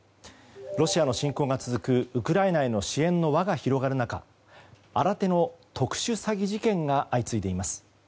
ロシアの侵攻が続くウクライナへの支援の輪が広がる中新手の特殊詐欺事件が相次いでいます。